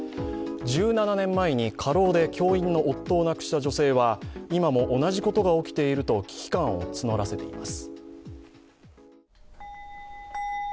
１７年前に過労で教員の夫を亡くした女性は今も同じことが起きていると危機感を募らせています。